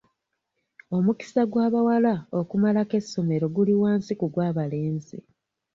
Omukisa gw'abawala okumalako essomero guli wansi ku gw'abalenzi.